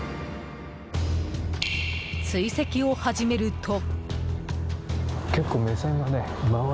追跡を始めると。